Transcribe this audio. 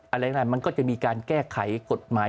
อะไรต่างมันก็จะมีการแก้ไขกฎหมาย